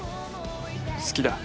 「好きだ」